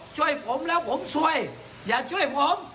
ช่วยผมแล้วผมซวยอย่าช่วยผม